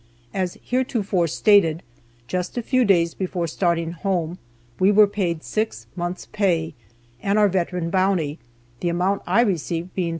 As heretofore stated, just a few days before starting home we were paid six months' pay, and our veteran bounty, the amount I received being $342.